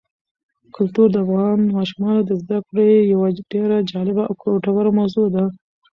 کلتور د افغان ماشومانو د زده کړې یوه ډېره جالبه او ګټوره موضوع ده.